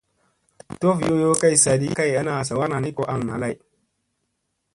Tof yoyoo kay saaɗi kay ana zawaar na ni ko aŋ naa lay.